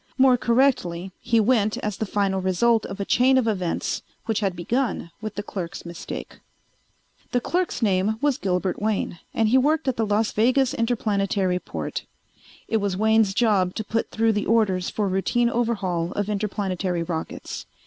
More correctly, he went as the final result of a chain of events which had begun with the clerk's mistake. The clerk's name was Gilbert Wayne and he worked at the Las Vegas Interplanetary Port. It was Wayne's job to put through the orders for routine overhaul of interplanetary rockets.